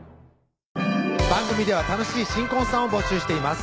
番組では楽しい新婚さんを募集しています